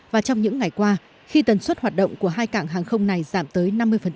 và trong những ngày qua khi tần suất hoạt động của hai cảng hàng không này giảm tới năm mươi